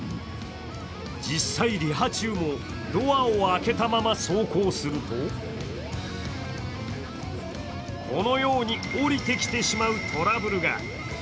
実際、リハ中もドアを開けたまま走行するとこのように下りてきてしまうトラブルが。